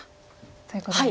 ということで。